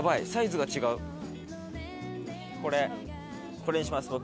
これにします僕。